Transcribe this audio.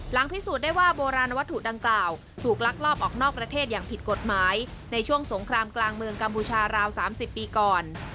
พิสูจน์ได้ว่าโบราณวัตถุดังกล่าวถูกลักลอบออกนอกประเทศอย่างผิดกฎหมายในช่วงสงครามกลางเมืองกัมพูชาราว๓๐ปีก่อน